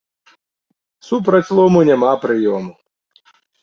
Супраць лому няма прыёму!